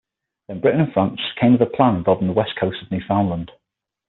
Then Britain and France came with a plan involving the west coast of Newfoundland.